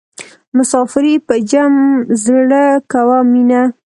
مسافري په جمع زړه کوه مینه.